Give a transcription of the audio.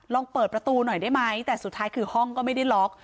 ลองเปิดประตูหน่อยได้ไหมแต่สุดท้ายคือห้องก็ไม่ได้ล็อก